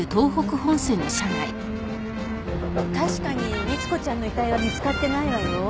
確かに光子ちゃんの遺体は見つかってないわよ。